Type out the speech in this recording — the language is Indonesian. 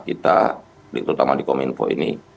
kita terutama di kominfo ini